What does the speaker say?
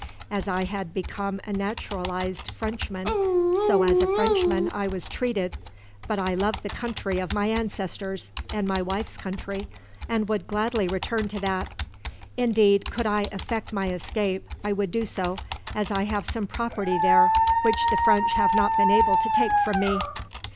As I had become a naturalised Frenchman, so as a Frenchman I was treated; but I love the country of my ancestors and my wife's country, and would gladly return to that. Indeed, could I effect my escape, I would do so, as I have some property there which the French have not been able to take from me."